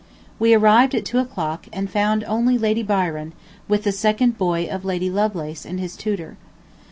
We arrived at two o'clock, and found only Lady Byron, with the second boy of Lady Lovelace and his tutor.